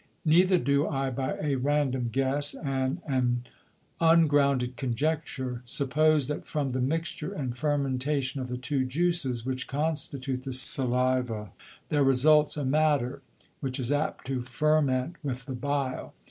Neither do I by a random Guess, and an ungrounded Conjecture, suppose that from the Mixture and Fermentation of the two Juices, which constitute the Saliva, there results a Matter, which is apt to ferment with the Bile.